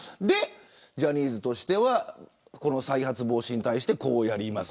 ジャニーズとしては再発防止に対してこうやります。